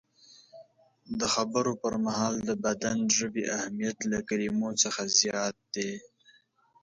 د خبرو پر مهال د بدن ژبې اهمیت له کلمو څخه زیات دی.